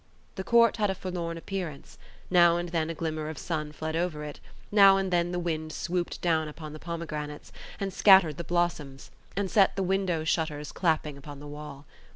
The court had a forlorn appearance; now and then a glimmer of sun fled over it; now and then the wind swooped down upon the pomegranates, and scattered the blossoms, and set the window shutters clapping on the wall.